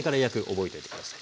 覚えておいて下さい。